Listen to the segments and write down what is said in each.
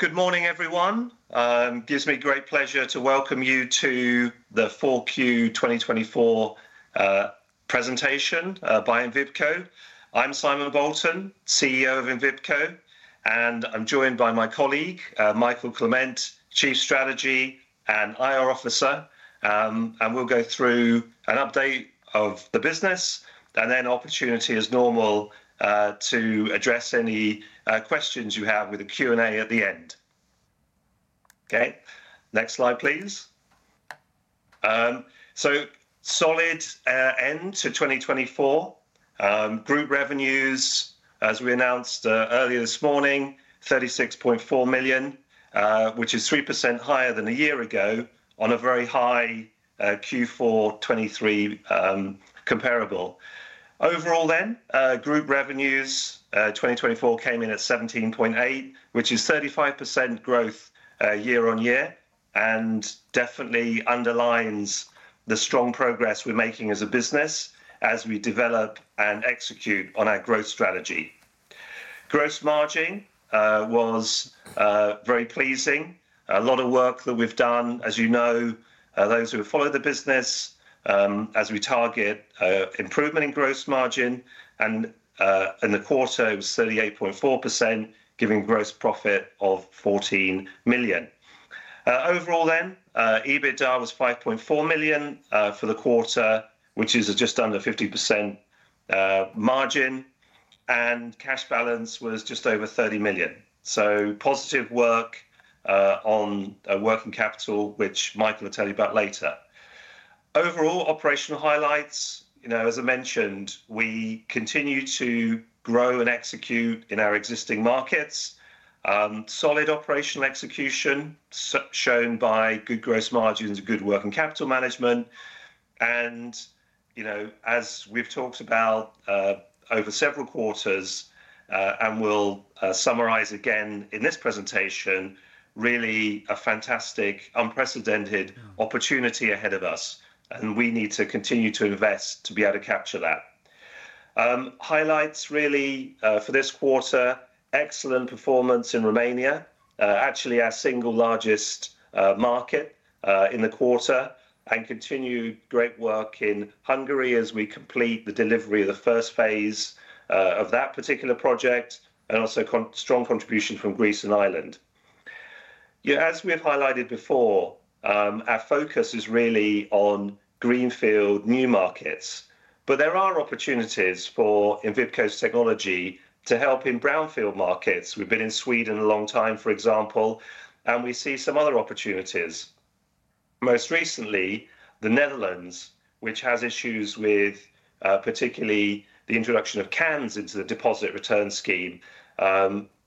Good morning, everyone. It gives me great pleasure to welcome you to the 4Q 2024 presentation by Envipco. I'm Simon Bolton, CEO of Envipco, and I'm joined by my colleague, Mikael Clement, Chief Strategy and IR Officer. We will go through an update of the business and then opportunity, as normal, to address any questions you have with a Q&A at the end. Next slide, please. Solid end to 2024. Group revenues, as we announced earlier this morning, 36.4 million, which is 3% higher than a year ago on a very high Q4 2023 comparable. Overall, then, group revenues 2024 came in at 17.8 million, which is 35% growth year on year, and definitely underlines the strong progress we're making as a business as we develop and execute on our growth strategy. Gross margin was very pleasing. A lot of work that we've done, as you know, those who have followed the business, as we target improvement in gross margin, and in the quarter, it was 38.4%, giving gross profit of 14 million. Overall, then, EBITDA was 5.4 million for the quarter, which is just under 50% margin, and cash balance was just over 30 million. Positive work on working capital, which Mikael will tell you about later. Overall, operational highlights, you know, as I mentioned, we continue to grow and execute in our existing markets. Solid operational execution shown by good gross margins, good working capital management, and, you know, as we've talked about over several quarters, and we'll summarise again in this presentation, really a fantastic, unprecedented opportunity ahead of us, and we need to continue to invest to be able to capture that. Highlights, really, for this quarter, excellent performance in Romania, actually our single largest market in the quarter, and continue great work in Hungary as we complete the delivery of the first phase of that particular project, and also strong contribution from Greece and Ireland. As we've highlighted before, our focus is really on greenfield new markets, but there are opportunities for Envipco's technology to help in brownfield markets. We've been in Sweden a long time, for example, and we see some other opportunities. Most recently, the Netherlands, which has issues with particularly the introduction of cans into the deposit return scheme,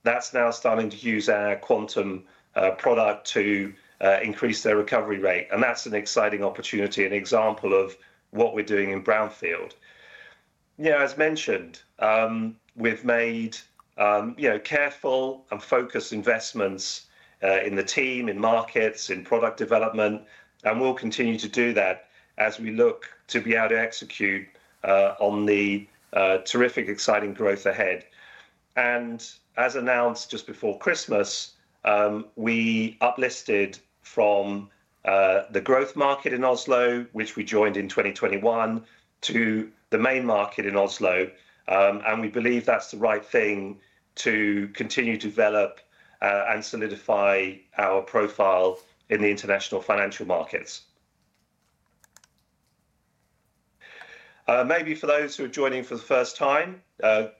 that's now starting to use our Quantum product to increase their recovery rate, and that's an exciting opportunity, an example of what we're doing in brownfield. Yeah, as mentioned, we've made, you know, careful and focused investments in the team, in markets, in product development, and we'll continue to do that as we look to be able to execute on the terrific, exciting growth ahead. As announced just before Christmas, we uplifted from the growth market in Oslo, which we joined in 2021, to the main market in Oslo, and we believe that's the right thing to continue to develop and solidify our profile in the international financial markets. Maybe for those who are joining for the first time,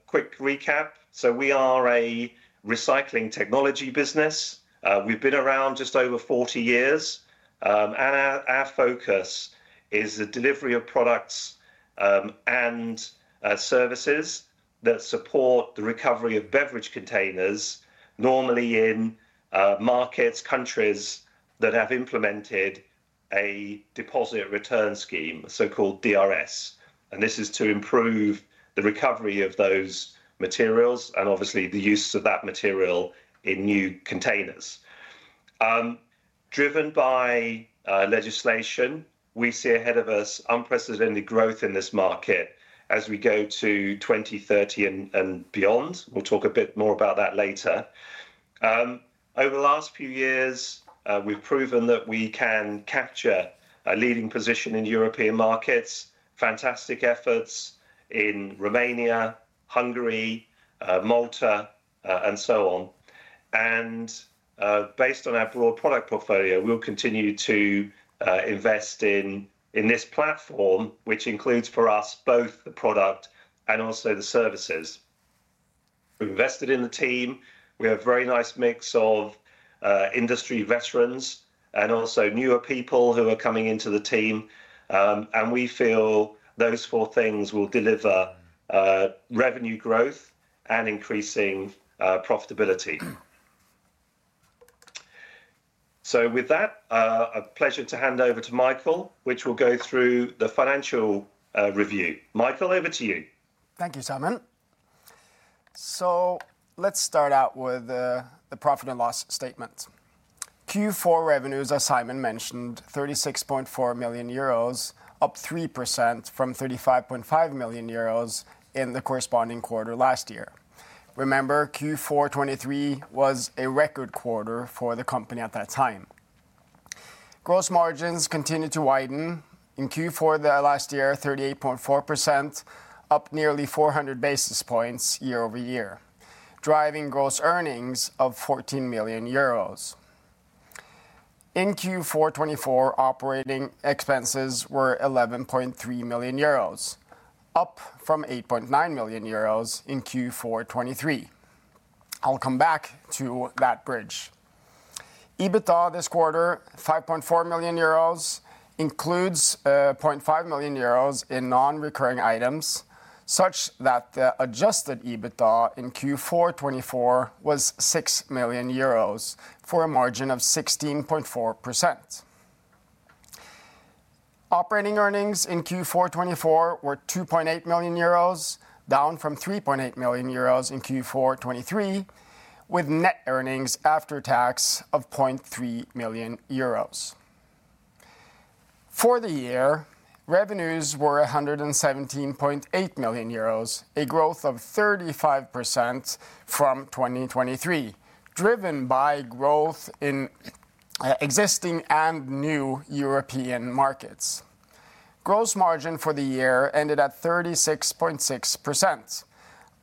quick recap. We are a recycling technology business. We've been around just over 40 years, and our focus is the delivery of products and services that support the recovery of beverage containers, normally in markets, countries that have implemented a deposit return scheme, so-called DRS. This is to improve the recovery of those materials and obviously the use of that material in new containers. Driven by legislation, we see ahead of us unprecedented growth in this market as we go to 2030 and beyond. We will talk a bit more about that later. Over the last few years, we have proven that we can capture a leading position in European markets, fantastic efforts in Romania, Hungary, Malta, and so on. Based on our broad product portfolio, we will continue to invest in this platform, which includes for us both the product and also the services. We have invested in the team. We have a very nice mix of industry veterans and also newer people who are coming into the team, and we feel those four things will deliver revenue growth and increasing profitability. With that, a pleasure to hand over to Mikael, which will go through the financial review. Mikael, over to you. Thank you, Simon. Let's start out with the profit and loss statement. Q4 revenues, as Simon mentioned, 36.4 million euros, up 3% from 35.5 million euros in the corresponding quarter last year. Remember, Q4 2023 was a record quarter for the company at that time. Gross margins continue to widen. In Q4 last year, 38.4%, up nearly 400 basis points year over year, driving gross earnings of 14 million euros. In Q4 2024, operating expenses were 11.3 million euros, up from 8.9 million euros in Q4 2023. I'll come back to that bridge. EBITDA this quarter, 5.4 million euros, includes 0.5 million euros in non-recurring items, such that the adjusted EBITDA in Q4 2024 was 6 million euros for a margin of 16.4%. Operating earnings in Q4 2024 were 2.8 million euros, down from 3.8 million euros in Q4 2023, with net earnings after tax of 0.3 million euros. For the year, revenues were 117.8 million euros, a growth of 35% from 2023, driven by growth in existing and new European markets. Gross margin for the year ended at 36.6%,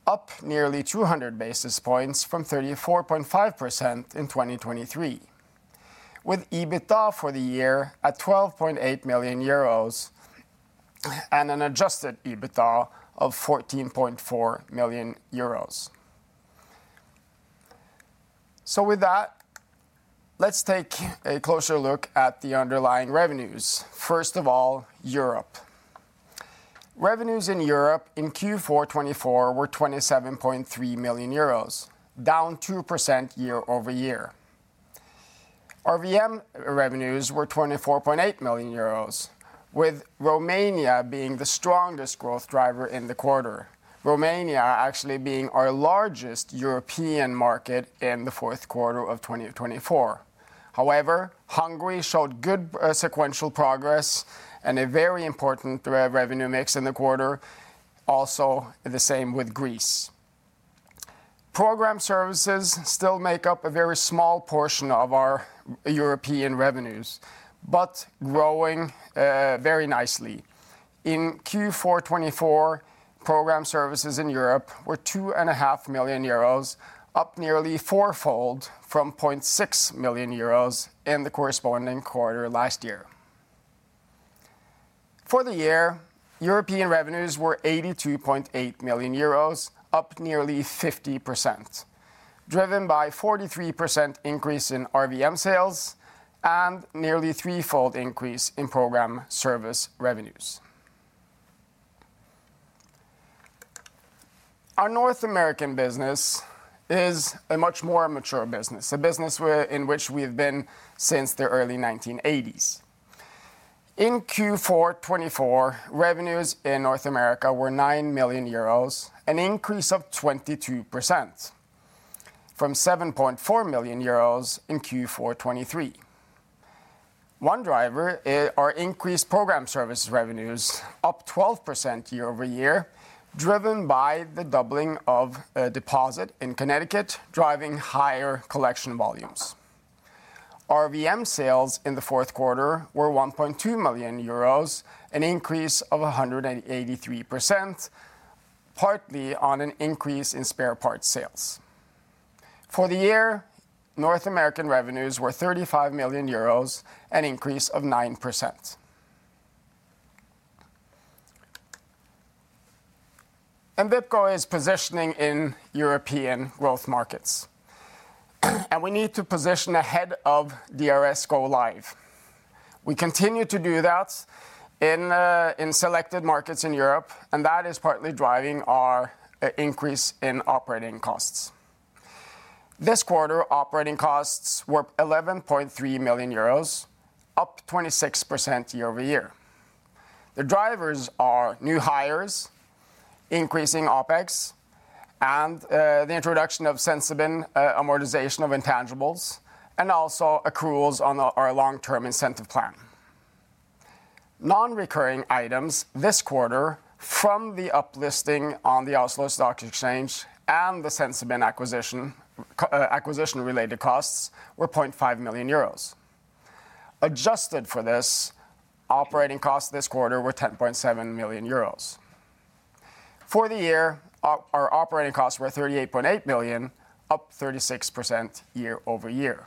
up nearly 200 basis points from 34.5% in 2023, with EBITDA for the year at 12.8 million euros and an adjusted EBITDA of 14.4 million euros. Let's take a closer look at the underlying revenues. First of all, Europe. Revenues in Europe in Q4 2024 were 27.3 million euros, down 2% year over year. RVM revenues were 24.8 million euros, with Romania being the strongest growth driver in the quarter, Romania actually being our largest European market in the fourth quarter of 2024. However, Hungary showed good sequential progress and a very important revenue mix in the quarter, also the same with Greece. Program services still make up a very small portion of our European revenues, but growing very nicely. In Q4 2024, program services in Europe were 2.5 million euros, up nearly fourfold from 0.6 million euros in the corresponding quarter last year. For the year, European revenues were 82.8 million euros, up nearly 50%, driven by a 43% increase in RVM sales and nearly threefold increase in program service revenues. Our North American business is a much more mature business, a business in which we've been since the early 1980s. In Q4 2024, revenues in North America were 9 million euros, an increase of 22% from 7.4 million euros in Q4 2023. One driver is our increased program service revenues, up 12% year over year, driven by the doubling of deposit in Connecticut, driving higher collection volumes. RVM sales in the fourth quarter were 1.2 million euros, an increase of 183%, partly on an increase in spare parts sales. For the year, North American revenues were 35 million euros, an increase of 9%. Envipco is positioning in European growth markets, and we need to position ahead of DRS go live. We continue to do that in selected markets in Europe, and that is partly driving our increase in operating costs. This quarter, operating costs were 11.3 million euros, up 26% year over year. The drivers are new hires, increasing OPEX, and the introduction of Sensibin amortization of intangibles, and also accruals on our long-term incentive plan. Non-recurring items this quarter, from the uplisting on the Oslo Stock Exchange and the Sensibin acquisition-related costs, were 0.5 million euros. Adjusted for this, operating costs this quarter were 10.7 million euros. For the year, our operating costs were 38.8 million, up 36% year over year.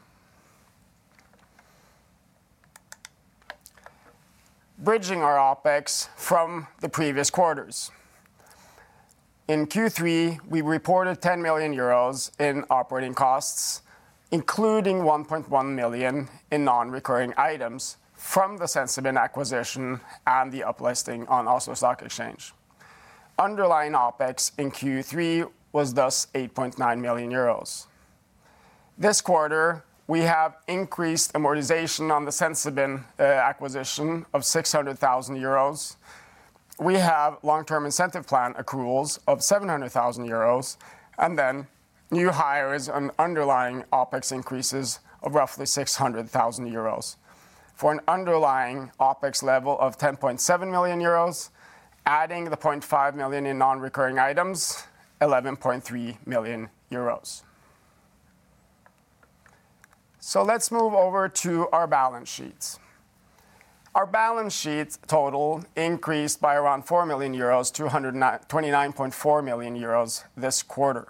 Bridging our OPEX from the previous quarters. In Q3, we reported 10 million euros in operating costs, including 1.1 million in non-recurring items from the Sensibin acquisition and the uplisting on Oslo Stock Exchange. Underlying OPEX in Q3 was thus 8.9 million euros. This quarter, we have increased amortization on the Sensibin acquisition of 600,000 euros. We have long-term incentive plan accruals of 700,000 euros, and then new hires and underlying OPEX increases of roughly 600,000 euros for an underlying OPEX level of 10.7 million euros, adding the 0.5 million in non-recurring items, 11.3 million euros. Let's move over to our balance sheets. Our balance sheet total increased by around 4 million euros to 29.4 million euros this quarter.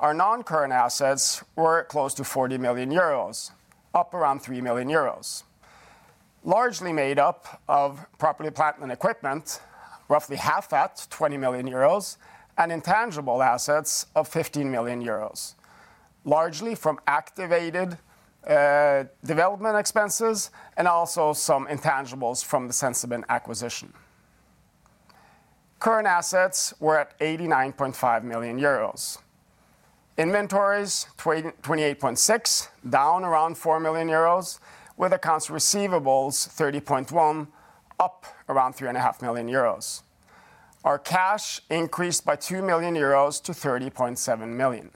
Our non-current assets were close to 40 million euros, up around 3 million euros, largely made up of property, plant, and equipment, roughly half that, 20 million euros, and intangible assets of 15 million euros, largely from activated development expenses and also some intangibles from the Sensibin acquisition. Current assets were at 89.5 million euros. Inventories 28.6 million, down around 4 million euros, with accounts receivables 30.1 million, up around 3.5 million euros. Our cash increased by 2 million euros to 30.7 million.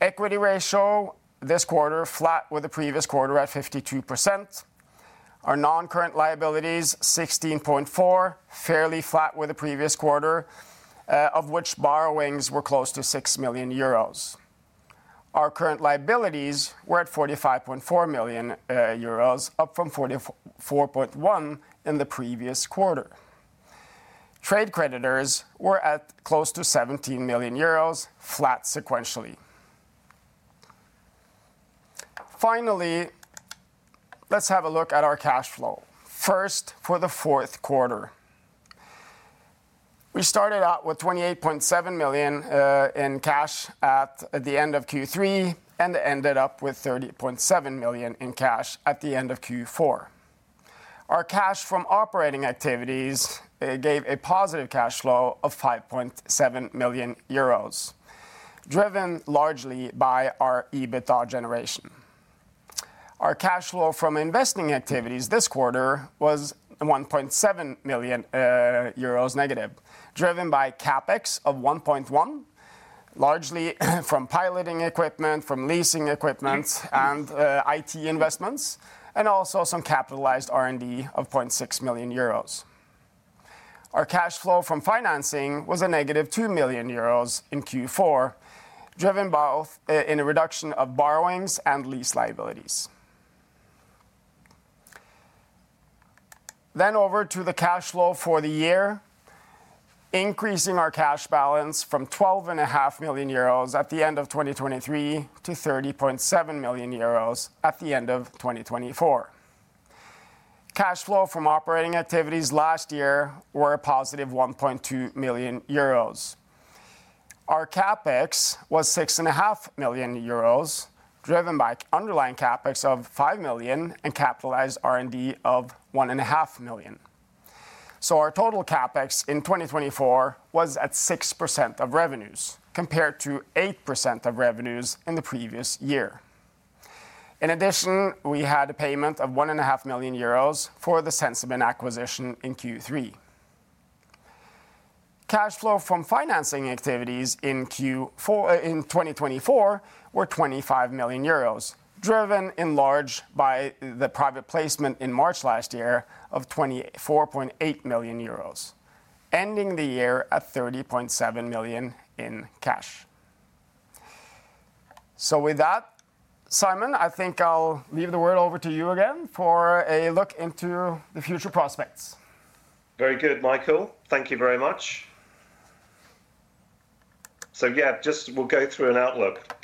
Equity ratio this quarter flat with the previous quarter at 52%. Our non-current liabilities 16.4 million, fairly flat with the previous quarter, of which borrowings were close to 6 million euros. Our current liabilities were at 45.4 million euros, up from 44.1 million in the previous quarter. Trade creditors were at close to 17 million euros, flat sequentially. Finally, let's have a look at our cash flow. First, for the fourth quarter, we started out with 28.7 million in cash at the end of Q3 and ended up with 30.7 million in cash at the end of Q4. Our cash from operating activities gave a positive cash flow of 5.7 million euros, driven largely by our EBITDA generation. Our cash flow from investing activities this quarter was 1.7 million euros negative, driven by CapEx of 1.1 million, largely from piloting equipment, from leasing equipment, and IT investments, and also some capitalized R&D of 0.6 million euros. Our cash flow from financing was a negative 2 million euros in Q4, driven both in a reduction of borrowings and lease liabilities. Over to the cash flow for the year, increasing our cash balance from 12.5 million euros at the end of 2023 to 30.7 million euros at the end of 2024. Cash flow from operating activities last year were a positive 1.2 million euros. Our CapEx was 6.5 million euros, driven by underlying CapEx of 5 million and capitalized R&D of 1.5 million. Our total CapEx in 2024 was at 6% of revenues compared to 8% of revenues in the previous year. In addition, we had a payment of 1.5 million euros for the Sensibin acquisition in Q3. Cash flow from financing activities in Q4 in 2024 were 25 million euros, driven in large by the private placement in March last year of 24.8 million euros, ending the year at 30.7 million in cash. Simon, I think I'll leave the word over to you again for a look into the future prospects. Very good, Mikael. Thank you very much. Yeah, just we'll go through an outlook.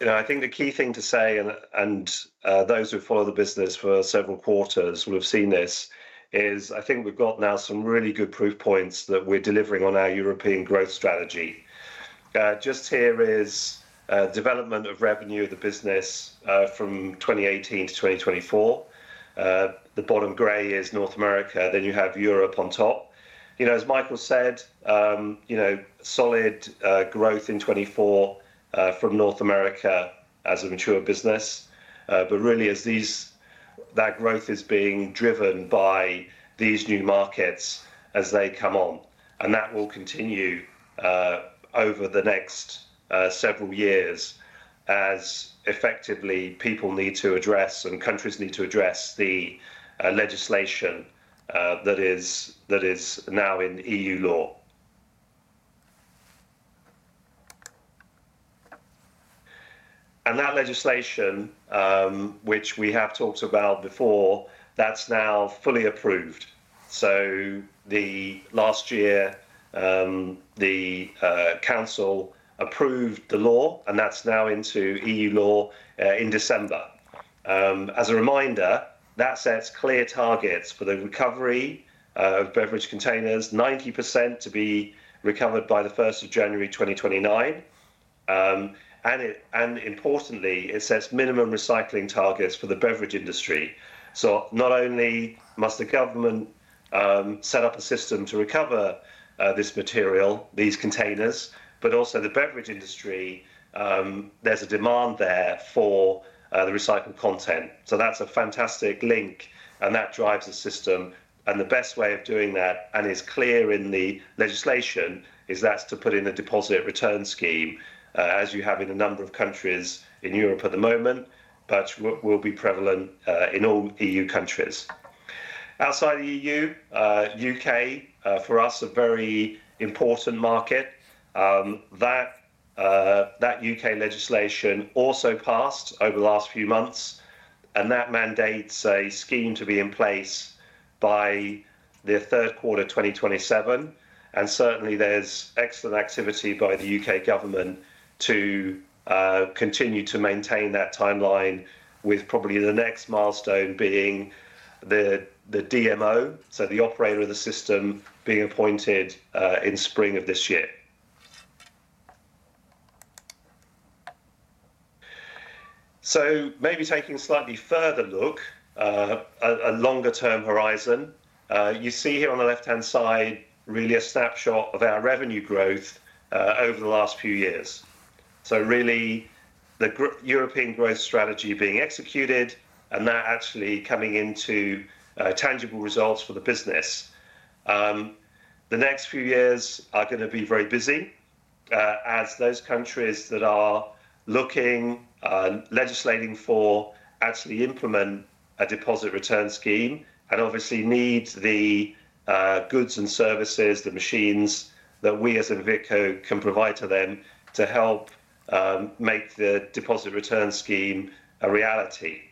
Look, you know, I think the key thing to say, and those who follow the business for several quarters will have seen this, is I think we've got now some really good proof points that we're delivering on our European growth strategy. Just here is development of revenue of the business from 2018 to 2024. The bottom gray is North America, then you have Europe on top. You know, as Mikael said, you know, solid growth in 2024 from North America as a mature business, but really as these that growth is being driven by these new markets as they come on, and that will continue over the next several years as effectively people need to address and countries need to address the legislation that is that is now in EU law. That legislation, which we have talked about before, is now fully approved. Last year, the Council approved the law, and that is now into EU law in December. As a reminder, that sets clear targets for the recovery of beverage containers, 90% to be recovered by the 1st of January 2029. Importantly, it sets minimum recycling targets for the beverage industry. Not only must the government set up a system to recover this material, these containers, but also the beverage industry, there is a demand there for the recycled content. That is a fantastic link, and that drives the system. The best way of doing that, and it is clear in the legislation, is to put in a deposit return scheme, as you have in a number of countries in Europe at the moment, but will be prevalent in all EU countries. Outside the EU, U.K., for us, a very important market, that U.K. legislation also passed over the last few months, and that mandates a scheme to be in place by the third quarter of 2027. There is excellent activity by the U.K. government to continue to maintain that timeline, with probably the next milestone being the DMO, so the operator of the system being appointed in spring of this year. Maybe taking a slightly further look, a longer-term horizon, you see here on the left-hand side really a snapshot of our revenue growth over the last few years. Really, the European growth strategy being executed and that actually coming into tangible results for the business. The next few years are going to be very busy as those countries that are looking, legislating for, actually implement a deposit return scheme and obviously need the goods and services, the machines that we as Envipco can provide to them to help make the deposit return scheme a reality.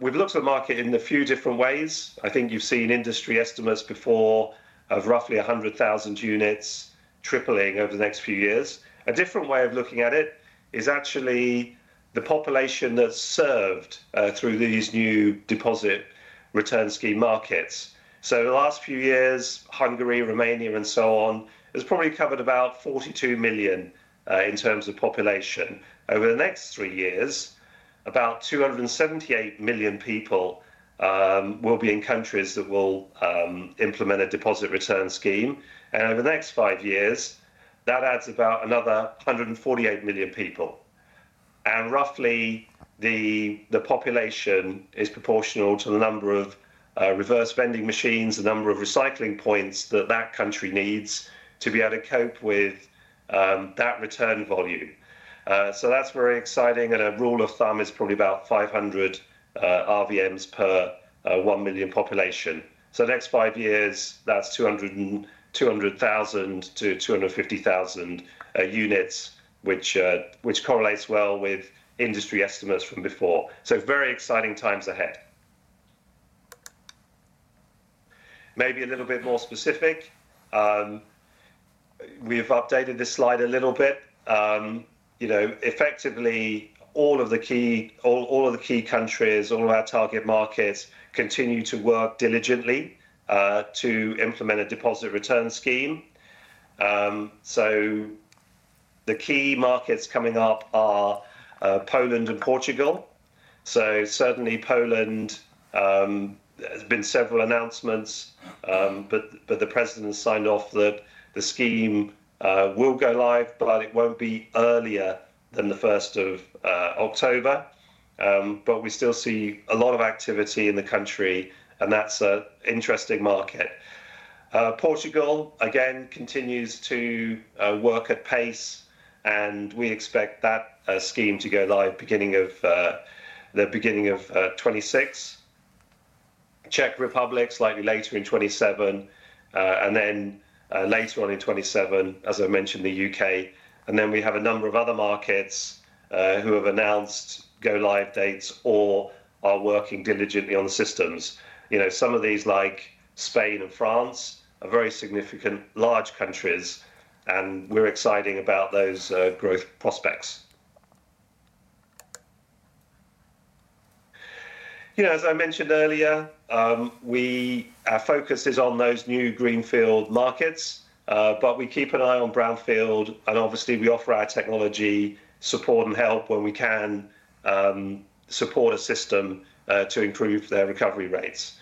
We've looked at the market in a few different ways. I think you've seen industry estimates before of roughly 100,000 units tripling over the next few years. A different way of looking at it is actually the population that's served through these new deposit return scheme markets. The last few years, Hungary, Romania, and so on, has probably covered about 42 million in terms of population. Over the next three years, about 278 million people will be in countries that will implement a deposit return scheme. Over the next five years, that adds about another 148 million people. Roughly, the population is proportional to the number of reverse vending machines, the number of recycling points that that country needs to be able to cope with that return volume. That is very exciting. A rule of thumb is probably about 500 RVMs per 1 million population. The next five years, that is 200,000-250,000 units, which correlates well with industry estimates from before. Very exciting times ahead. Maybe a little bit more specific. We have updated this slide a little bit. You know, effectively, all of the key countries, all of our target markets continue to work diligently to implement a deposit return scheme. The key markets coming up are Poland and Portugal. Certainly, Poland has been several announcements, but the president has signed off that the scheme will go live, but it will not be earlier than the 1st of October. We still see a lot of activity in the country, and that is an interesting market. Portugal, again, continues to work at pace, and we expect that scheme to go live beginning of the beginning of 2026. Czech Republic, slightly later in 2027, and then later on in 2027, as I mentioned, the U.K. We have a number of other markets who have announced go live dates or are working diligently on the systems. You know, some of these, like Spain and France, are very significant large countries, and we are excited about those growth prospects. You know, as I mentioned earlier, our focus is on those new greenfield markets, but we keep an eye on brownfield, and obviously, we offer our technology support and help when we can support a system to improve their recovery rates.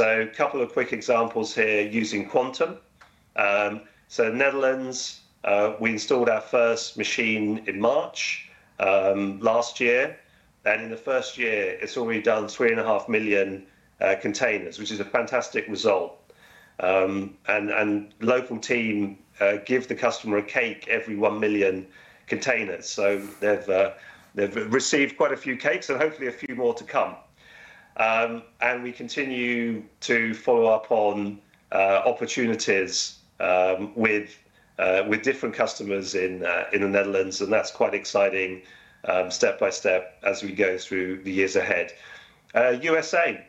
A couple of quick examples here using Quantum. Netherlands, we installed our first machine in March last year, and in the first year, it's already done 3.5 million containers, which is a fantastic result. The local team give the customer a cake every 1 million containers. They have received quite a few cakes and hopefully a few more to come. We continue to follow up on opportunities with different customers in the Netherlands, and that's quite exciting step by step as we go through the years ahead. USA,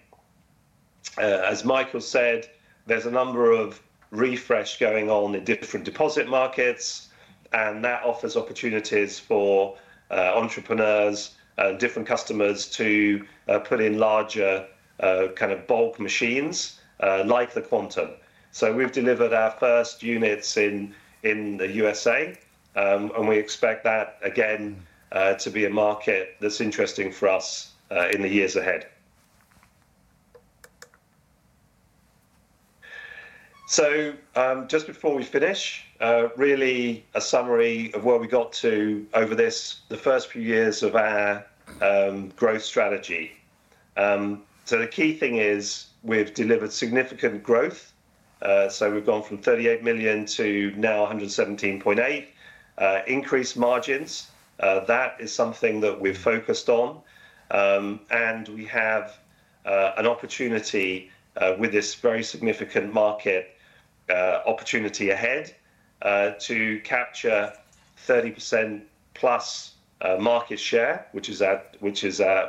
as Mikael said, there's a number of refresh going on in different deposit markets, and that offers opportunities for entrepreneurs and different customers to put in larger kind of bulk machines like the Quantum. We've delivered our first units in the USA, and we expect that, again, to be a market that's interesting for us in the years ahead. Just before we finish, really a summary of where we got to over this, the first few years of our growth strategy. The key thing is we've delivered significant growth. We've gone from 38 million to now 117.8 million, increased margins. That is something that we've focused on, and we have an opportunity with this very significant market opportunity ahead to capture 30%+ market share, which is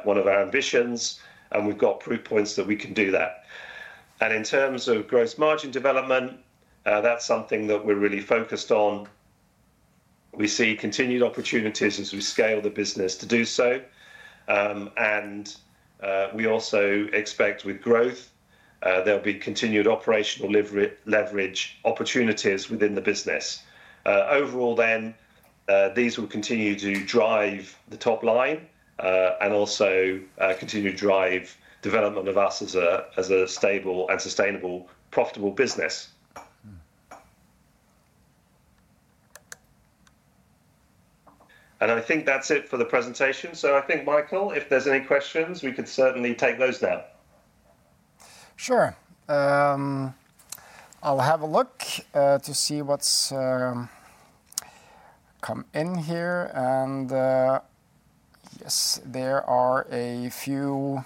one of our ambitions, and we've got proof points that we can do that. In terms of gross margin development, that's something that we're really focused on. We see continued opportunities as we scale the business to do so, and we also expect with growth, there'll be continued operational leverage opportunities within the business. Overall, these will continue to drive the top line and also continue to drive development of us as a stable and sustainable, profitable business. I think that's it for the presentation. I think, Mikael, if there's any questions, we could certainly take those now. Sure. I'll have a look to see what's come in here. Yes, there are a few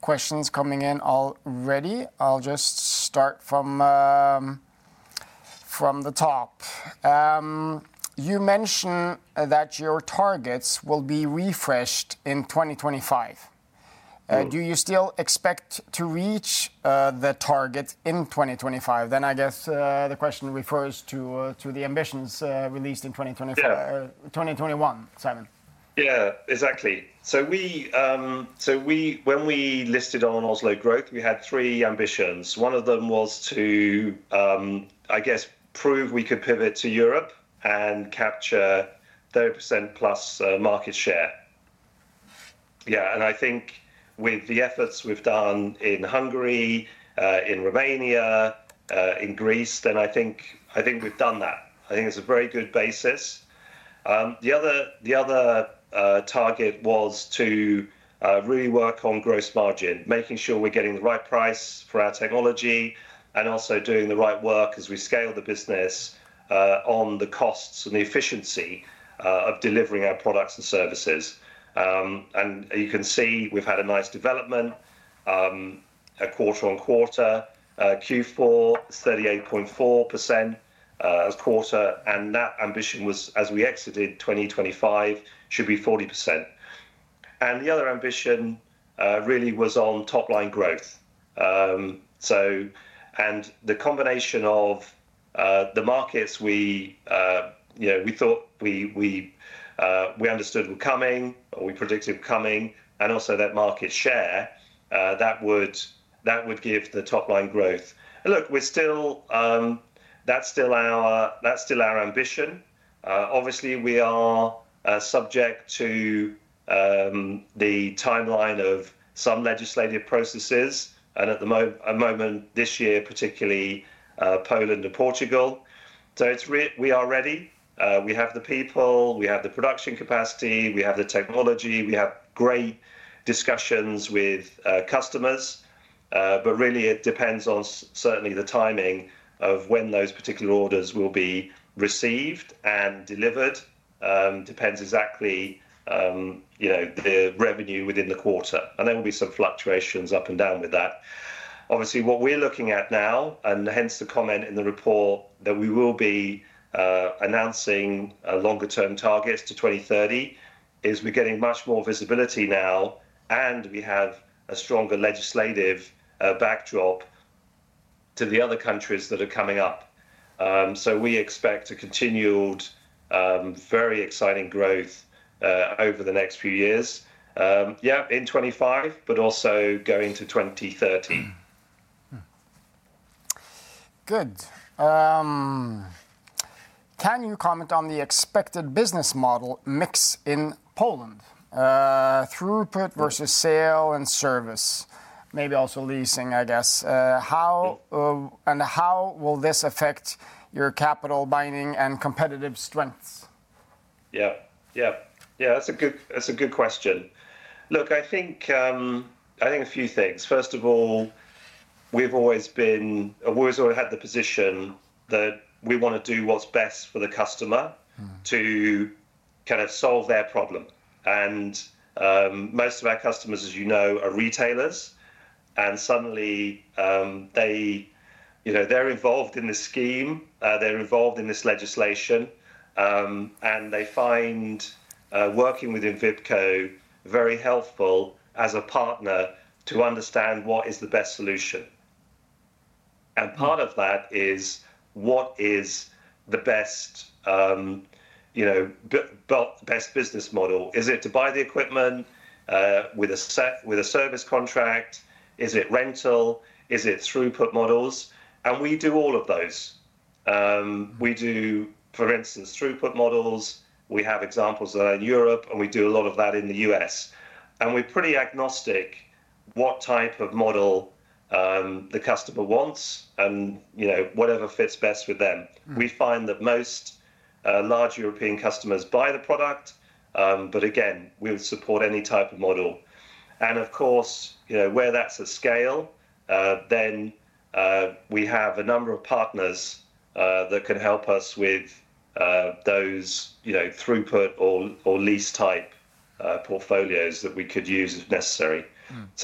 questions coming in already. I'll just start from the top. You mentioned that your targets will be refreshed in 2025. Do you still expect to reach the target in 2025? I guess the question refers to the ambitions released in 2021, Simon. Yeah, exactly. When we listed on Oslo Growth, we had three ambitions. One of them was to, I guess, prove we could pivot to Europe and capture 30% plus market share. I think with the efforts we have done in Hungary, in Romania, in Greece, I think we have done that. I think it is a very good basis. The other target was to really work on gross margin, making sure we are getting the right price for our technology and also doing the right work as we scale the business on the costs and the efficiency of delivering our products and services. You can see we have had a nice development quarter on quarter. Q4 is 38.4% this quarter, and that ambition was, as we exited 2025, should be 40%. The other ambition really was on top line growth. The combination of the markets we, you know, we thought we understood were coming or we predicted were coming, and also that market share, that would give the top line growth. Look, we're still, that's still our ambition. Obviously, we are subject to the timeline of some legislative processes, and at the moment, this year, particularly Poland and Portugal. We are ready. We have the people, we have the production capacity, we have the technology, we have great discussions with customers, but really it depends on certainly the timing of when those particular orders will be received and delivered. Depends exactly, you know, the revenue within the quarter, and there will be some fluctuations up and down with that. Obviously, what we're looking at now, and hence the comment in the report that we will be announcing longer-term targets to 2030, is we're getting much more visibility now, and we have a stronger legislative backdrop to the other countries that are coming up. We expect a continued, very exciting growth over the next few years, yeah, in 2025, but also going to 2030. Good. Can you comment on the expected business model mix in Poland? Throughput versus sale and service, maybe also leasing, I guess. How and how will this affect your capital binding and competitive strengths? Yeah, yeah, yeah, that's a good question. Look, I think a few things. First of all, we've always been, we've always had the position that we want to do what's best for the customer to kind of solve their problem. And most of our customers, as you know, are retailers, and suddenly they, you know, they're involved in this scheme, they're involved in this legislation, and they find working with Envipco very helpful as a partner to understand what is the best solution. Part of that is what is the best, you know, best business model? Is it to buy the equipment with a service contract? Is it rental? Is it throughput models? We do all of those. We do, for instance, throughput models. We have examples that are in Europe, and we do a lot of that in the U.S. We are pretty agnostic what type of model the customer wants and, you know, whatever fits best with them. We find that most large European customers buy the product, but again, we will support any type of model. Of course, you know, where that is a scale, then we have a number of partners that can help us with those, you know, throughput or lease type portfolios that we could use if necessary.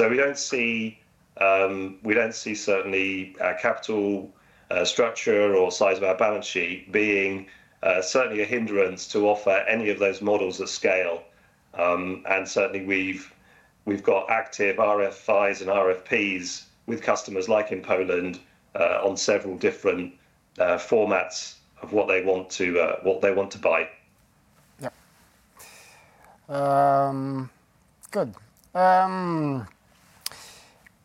We do not see, we do not see certainly our capital structure or size of our balance sheet being certainly a hindrance to offer any of those models at scale. Certainly, we have got active RFIs and RFPs with customers like in Poland on several different formats of what they want to buy. Yeah. Good.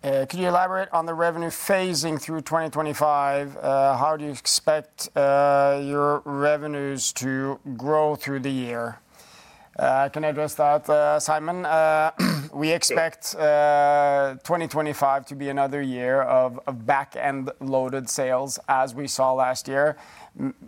Can you elaborate on the revenue phasing through 2025? How do you expect your revenues to grow through the year? I can address that, Simon. We expect 2025 to be another year of back-end loaded sales, as we saw last year,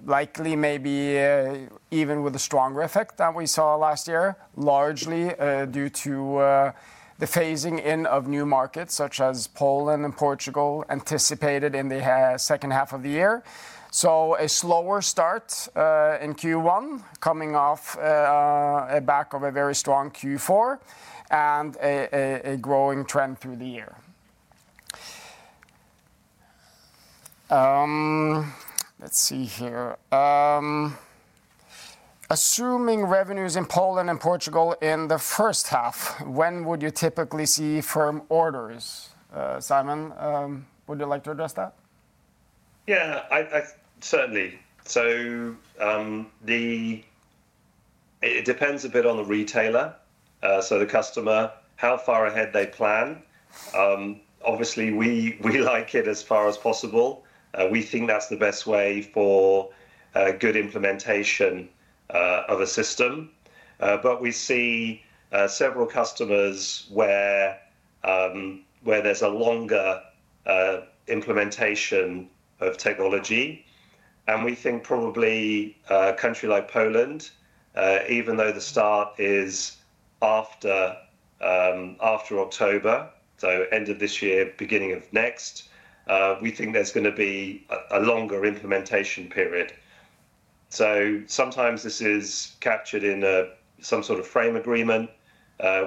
likely maybe even with a stronger effect than we saw last year, largely due to the phasing in of new markets such as Poland and Portugal anticipated in the second half of the year. A slower start in Q1 coming off a back of a very strong Q4 and a growing trend through the year. Let's see here. Assuming revenues in Poland and Portugal in the first half, when would you typically see firm orders? Simon, would you like to address that? Yeah, certainly. It depends a bit on the retailer, so the customer, how far ahead they plan. Obviously, we like it as far as possible. We think that's the best way for good implementation of a system. We see several customers where there's a longer implementation of technology. We think probably a country like Poland, even though the start is after October, so end of this year, beginning of next, we think there's going to be a longer implementation period. Sometimes this is captured in some sort of frame agreement,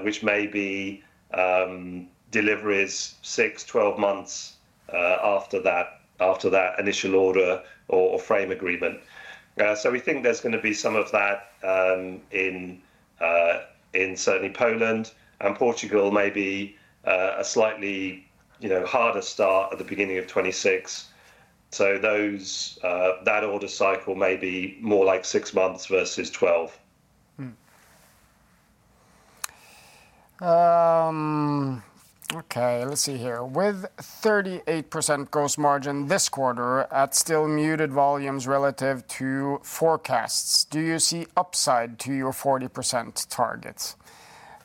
which may be deliveries 6-12 months after that initial order or frame agreement. We think there's going to be some of that in certainly Poland and Portugal, maybe a slightly, you know, harder start at the beginning of 2026. That order cycle may be more like six months versus 12. Okay, let's see here. With 38% gross margin this quarter at still muted volumes relative to forecasts, do you see upside to your 40% target?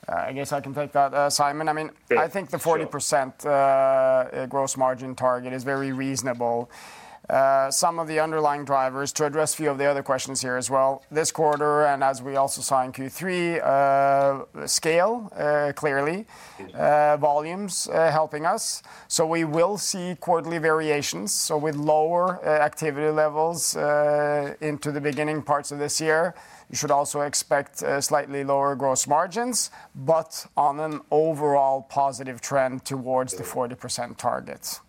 I guess I can take that, Simon. I mean, I think the 40% gross margin target is very reasonable. Some of the underlying drivers to address a few of the other questions here as well. This quarter, and as we also saw in Q3, scale clearly, volumes helping us. We will see quarterly variations. With lower activity levels into the beginning parts of this year, you should also expect slightly lower gross margins, but on an overall positive trend towards the 40% target.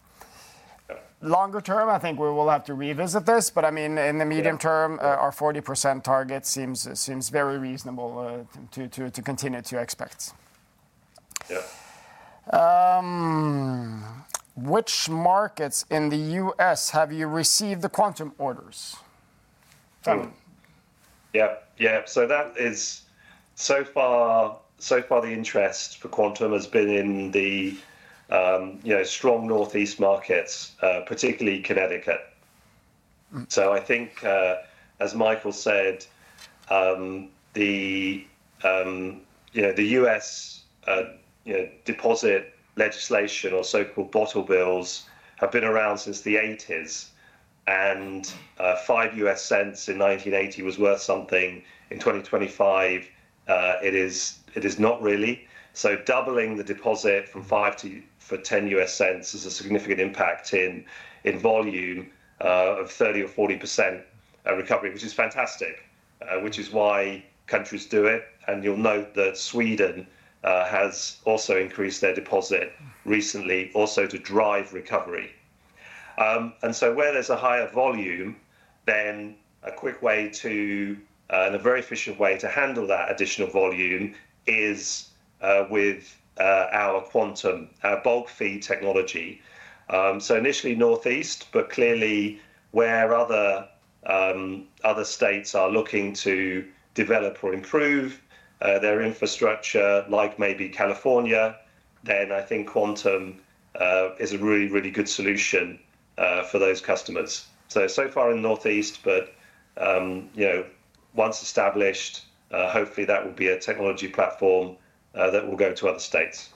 Longer term, I think we will have to revisit this, but I mean, in the medium term, our 40% target seems very reasonable to continue to expect. Yeah. Which markets in the U.S. have you received the Quantum orders? Yeah, yeah, so that is so far, so far the interest for Quantum has been in the, you know, strong Northeast markets, particularly Connecticut. I think as Mikael said, the, you know, the U.S. deposit legislation or so-called bottle bills have been around since the 1980s, and 5 US cents in 1980 was worth something. In 2025, it is not really. Doubling the deposit from 5 to 10 US cents is a significant impact in volume of 30-40% recovery, which is fantastic, which is why countries do it. You'll note that Sweden has also increased their deposit recently also to drive recovery. Where there's a higher volume, then a quick way to, and a very efficient way to handle that additional volume is with our Quantum, our bulk feed technology. Initially northeast, but clearly where other states are looking to develop or improve their infrastructure, like maybe California, then I think Quantum is a really, really good solution for those customers. So far in northeast, but, you know, once established, hopefully that will be a technology platform that will go to other states.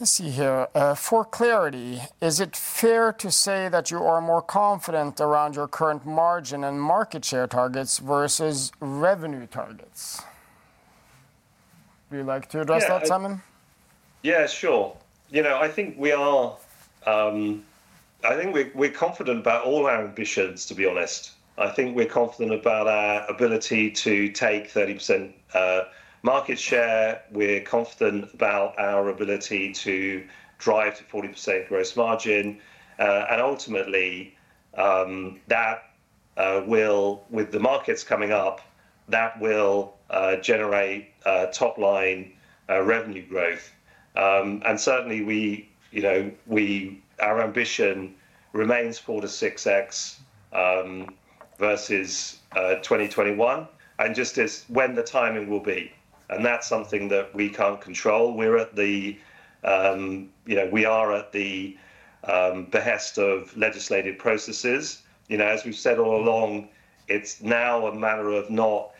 Let's see here. For clarity, is it fair to say that you are more confident around your current margin and market share targets versus revenue targets? Would you like to address that, Simon? Yeah, sure. You know, I think we are, I think we're confident about all our ambitions, to be honest. I think we're confident about our ability to take 30% market share. We're confident about our ability to drive to 40% gross margin. Ultimately, that will, with the markets coming up, generate top line revenue growth. Certainly, you know, our ambition remains 4-6x versus 2021, and it just is when the timing will be. That's something that we can't control. We're at the, you know, we are at the behest of legislative processes. You know, as we've said all along, it's now a matter of not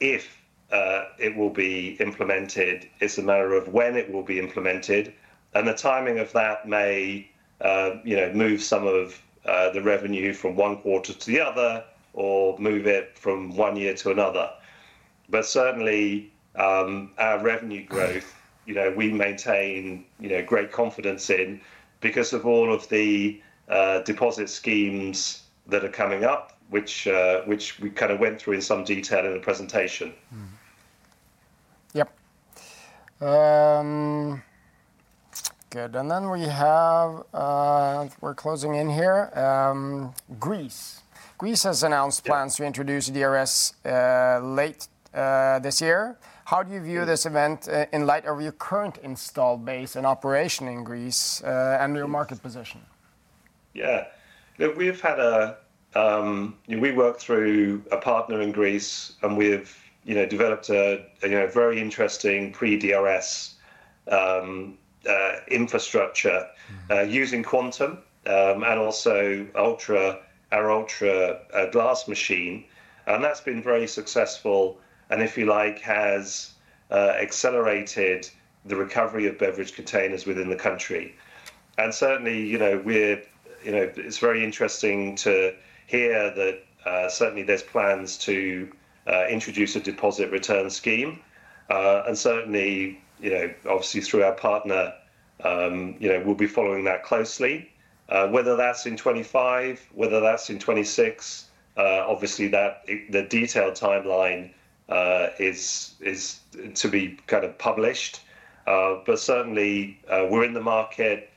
if it will be implemented. It's a matter of when it will be implemented. The timing of that may, you know, move some of the revenue from one quarter to the other or move it from one year to another. Certainly, our revenue growth, you know, we maintain, you know, great confidence in because of all of the deposit schemes that are coming up, which we kind of went through in some detail in the presentation. Yep. Good. We are closing in here. Greece. Greece has announced plans to introduce DRS late this year. How do you view this event in light of your current install base and operation in Greece and your market position? Yeah, look, we've had a, we work through a partner in Greece, and we've, you know, developed a very interesting pre-DRS infrastructure using Quantum and also our Ultra glass machine. That's been very successful and, if you like, has accelerated the recovery of beverage containers within the country. Certainly, you know, we're, you know, it's very interesting to hear that certainly there's plans to introduce a deposit return scheme. Certainly, you know, obviously through our partner, you know, we'll be following that closely. Whether that's in 2025, whether that's in 2026, obviously the detailed timeline is to be kind of published. Certainly, we're in the market.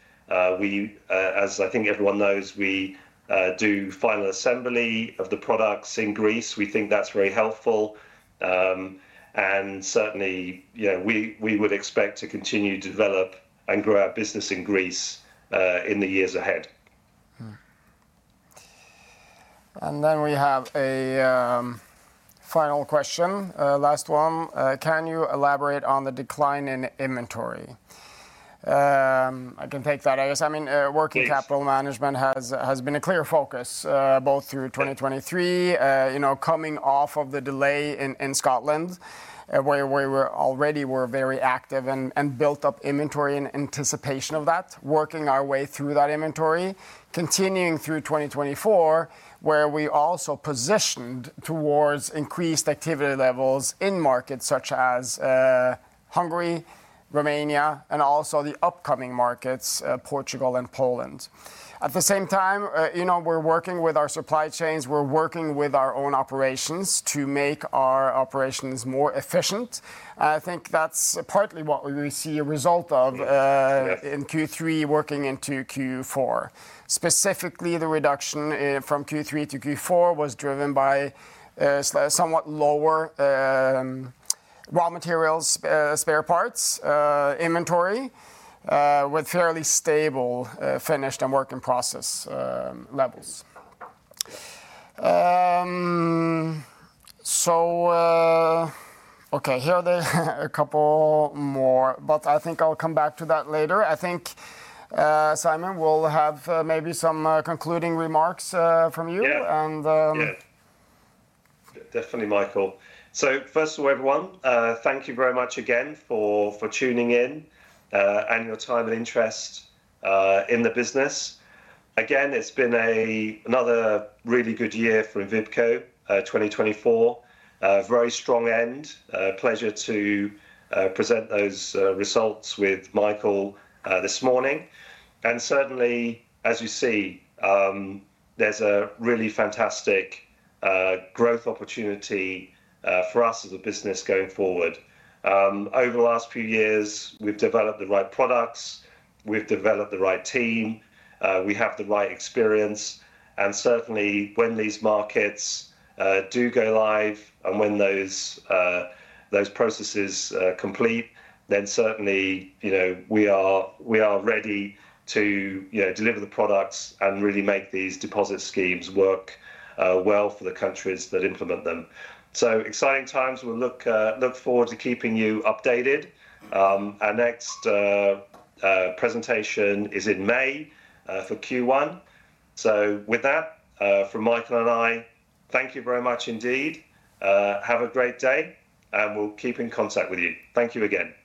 We, as I think everyone knows, we do final assembly of the products in Greece. We think that's very helpful. Certainly, you know, we would expect to continue to develop and grow our business in Greece in the years ahead. We have a final question, last one. Can you elaborate on the decline in inventory? I can take that, I guess. I mean, working capital management has been a clear focus both through 2023, you know, coming off of the delay in Scotland, where we already were very active and built up inventory in anticipation of that, working our way through that inventory, continuing through 2024, where we also positioned towards increased activity levels in markets such as Hungary, Romania, and also the upcoming markets, Portugal and Poland. At the same time, you know, we're working with our supply chains, we're working with our own operations to make our operations more efficient. I think that's partly what we see a result of in Q3 working into Q4. Specifically, the reduction from Q3 to Q4 was driven by somewhat lower raw materials, spare parts, inventory with fairly stable finished and work in process levels. Okay, here are a couple more, but I think I'll come back to that later. I think, Simon, we'll have maybe some concluding remarks from you. Yeah, definitely, Mikael. First of all, everyone, thank you very much again for tuning in and your time and interest in the business. Again, it's been another really good year for Envipco 2024, a very strong end, a pleasure to present those results with Mikael this morning. Certainly, as you see, there's a really fantastic growth opportunity for us as a business going forward. Over the last few years, we've developed the right products, we've developed the right team, we have the right experience. Certainly, when these markets do go live and when those processes complete, then certainly, you know, we are ready to, you know, deliver the products and really make these deposit schemes work well for the countries that implement them. Exciting times. We'll look forward to keeping you updated. Our next presentation is in May for Q1. With that, from Mikael and I, thank you very much indeed. Have a great day and we'll keep in contact with you. Thank you again.